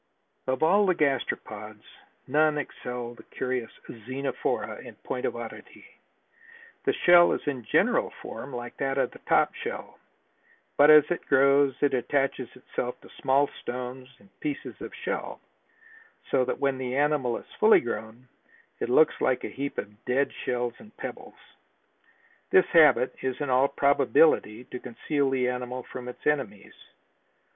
Of all the gastropods none excel the curious Xenophora in point of oddity. The shell is in general form like that of the top shell, but as it grows it attaches to itself small stones and pieces of shell, so that when the animal is fully grown it looks like a heap of dead shells and pebbles. This habit is in all probability to conceal the animal from its enemies.